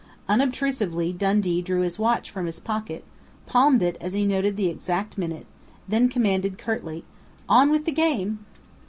Unobtrusively, Dundee drew his watch from his pocket, palmed it as he noted the exact minute, then commanded curtly: "On with the game!"